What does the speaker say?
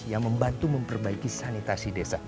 yang membantu memperbaiki sanitasi desa